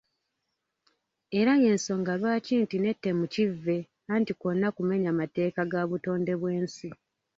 Era y’ensonga lwaki nti n’ettemu kivve anti kwonna kumenya mateeka ga butonde bw’ensi.